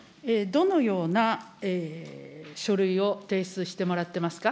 どのような書類を提出してもらってますか。